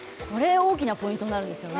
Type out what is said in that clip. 大きなポイントになるんですよね。